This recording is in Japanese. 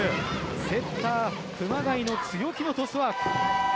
セッター・熊谷の強気のトスワーク。